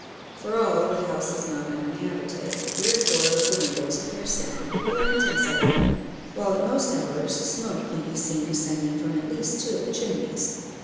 For all, the house is not uninhabited. Three or four of the windows appear sound, with blinds inside them; while at most hours smoke may be seen ascending from at least two of the chimneys.